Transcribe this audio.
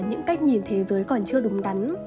những cách nhìn thế giới còn chưa đúng đắn